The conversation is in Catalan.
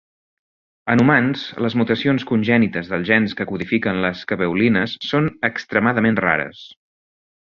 En humans, les mutacions congènites dels gens que codifiquen les caveolines són extremadament rares.